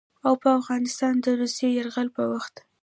او په افغانستان د روسي يرغل په وخت